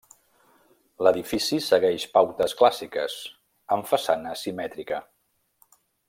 L'edifici segueix pautes clàssiques, amb façana simètrica.